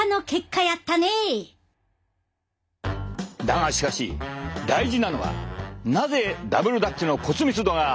だがしかし大事なのはなぜダブルダッチの骨密度が最も高かったのか？